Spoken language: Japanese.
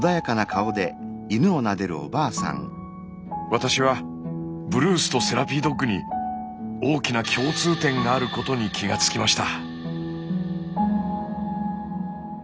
私はブルースとセラピードッグに大きな共通点があることに気が付きました。